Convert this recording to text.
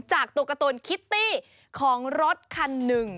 จากตัวการ์ตูนคิตตี้ของรถคันหนึ่ง